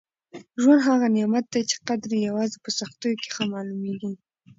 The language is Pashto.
ژوند هغه نعمت دی چي قدر یې یوازې په سختیو کي ښه معلومېږي.